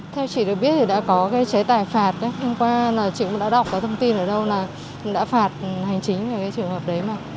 theo chị được biết thì đã có cái chế tài phạt hôm qua là chị cũng đã đọc cái thông tin ở đâu là cũng đã phạt hành chính về cái trường hợp đấy mà